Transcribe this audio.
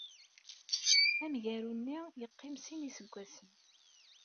Amgaru-nni yeqqim sin n yiseggasen.